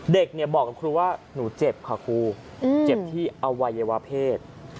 เด็กบอกกับครูว่าหนูเจ็บค่ะครูเจ็บที่อวัยวะเพศ